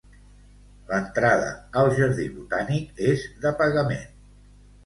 L'entrada al jardí botànic és de pagament.